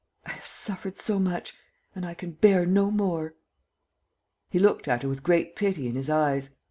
I have suffered so much. ... I can bear no more." He looked at her with great pity in his eyes.